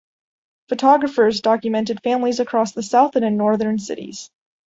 Photographers documented families across the South and in northern cities.